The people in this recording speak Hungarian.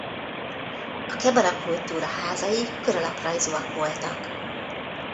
A Kebara-kultúra házai kör alaprajzúak voltak.